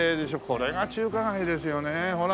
これが中華街ですよねほら。